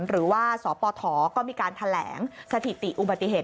หรือว่าสปฐก็มีการแถลงสถิติอุบัติเหตุ